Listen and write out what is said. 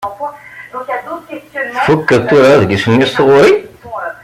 Tfukkeḍ tura adlis-nni s tɣuri?